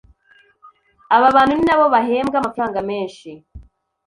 aba bantu ni nabo bahembwa amafaranga menshi